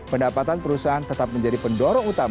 pendapatan perusahaan tetap menjadi negara yang menanggung pasokan